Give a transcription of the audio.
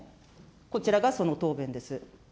こちらがその答弁です。